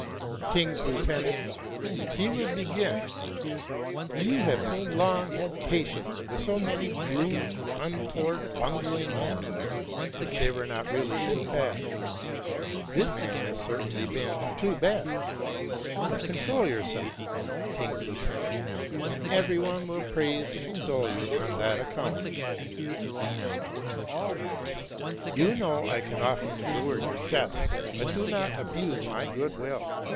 "''¢¢ King's lieutenant,' he would begin, ' you have so long had patience with so many gloomy, untoward, bungling men, if they were not really too bad. This man has certainly been too bad: but control yourself, king's lieutenant; and every one will praise and extol you on that account.' "''¢ You know I can often endure your jests, but do not abuse my good will.